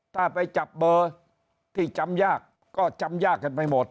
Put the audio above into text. ถ้าไปจับเบอร์ที่จำยากก็จำยากกันไปหมด